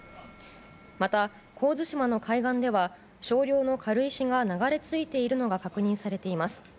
また神津島の海岸では少量の軽石が流れ着いているのが確認されています。